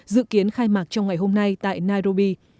dự kiến khai mạc trong ngày hôm nay tại nairobi